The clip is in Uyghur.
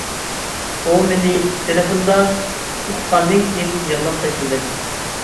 ئۇ مېنى تېلېفوندا ئۇققاندىن كېيىن يىغلاپ تاشلىدى.